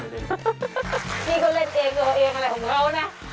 อีกก็เล่นเองเดี๋ยวเอียงอะไรผมนะ